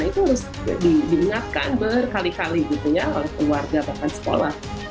itu harus diingatkan berkali kali gitu ya harus keluarga bapak sekolah